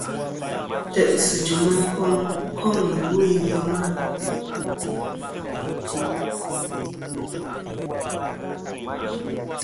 Ntè'sɨ jɨm a kom iwo i lema.